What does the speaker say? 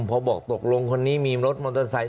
พอบอกตกลงมีรถมอเตอร์ไซค์